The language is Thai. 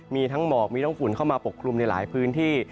มีทั้งหมอกมีทั้งฝุ่นเข้ามาปกคลุมในหลายพื้นที่